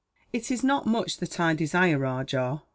"It is not much that I desire, Rajah.